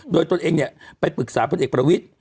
โดยตัวเองเนี่ยไปปรึกษาพลเอกประวิทธิ์